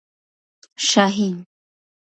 شاهین